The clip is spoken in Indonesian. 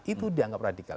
itu dianggap radikal